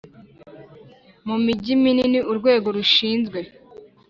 Mu mijyi minini urwego rushinzwe